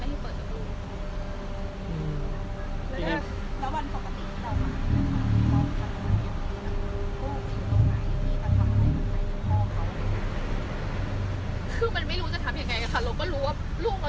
ดูตรงนี้หนูสาวว่าหนูไม่เอาอะไรทางนั้นแล้วหนูขอลูกหนูขึ้น